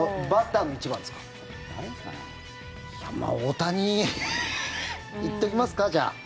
まあ大谷いっときますかじゃあ。